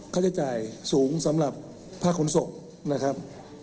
เขาจะจ่ายสูงสำหรับผ้าขนสกนะครับ